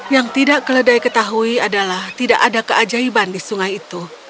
yang tidak keledai ketahui adalah tidak ada keajaiban di sungai itu